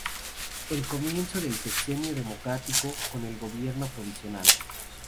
El comienzo del Sexenio Democrático, con el Gobierno Provisional.